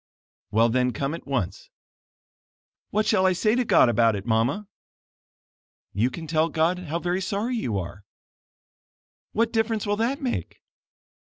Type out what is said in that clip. "Well, then come at once." "What shall I say to God about it, Mama?" "You can tell God how very sorry you are." "What difference will that make?"